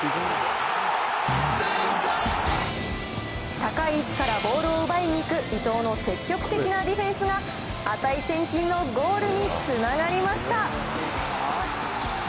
高い位置からボールを奪いに行く伊東の積極的なディフェンスが値千金のゴールにつながりました。